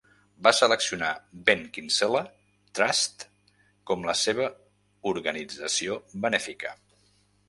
Va seleccionar Ben Kinsella Trust com la seva organització benèfica.